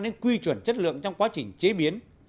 đến quy chuẩn chất lượng trong quá trình chế biến